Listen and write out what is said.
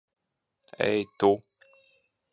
Ei, tu!